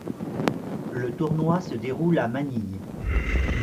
Le tournoi se déroule à Manille.